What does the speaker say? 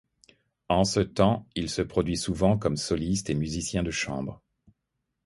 En ce temps il se produit souvent comme soliste et musicien de chambre.